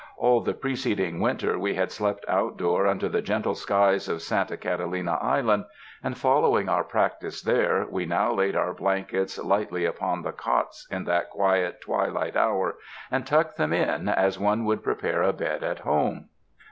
All the preceding winter we had slept outdoor under the gentle skies of Santa Cata lina Island; and, following our practice there, we now laid our blankets lightly upon the cots in that quiet twilight hour, and tucked them in, as one would prepare a bed at home.